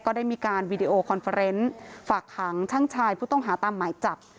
ได้มีการวีดีโอคอนเฟอร์เนนต์ฝากขังช่างชายผู้ต้องหาตามหมายจับ